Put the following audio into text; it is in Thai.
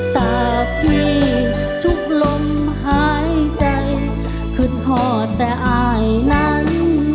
ตากที่ทุกลมหายใจเค็ดห่อแต่อายนั้น